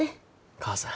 母さん。